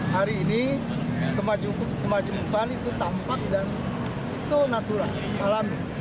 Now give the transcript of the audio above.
hari ini kemajemukan itu tampak dan itu natural alami